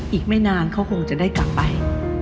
อีกไม่นานเขาคงจะได้กลับไป